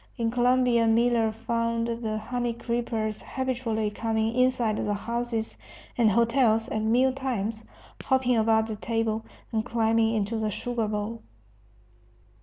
In Colombia Miller found the honey creepers habitually coming inside the houses and hotels at meal times, hopping about the table, and climbing into the sugar bowl.